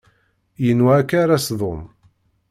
Yenwa akka ara s-tdum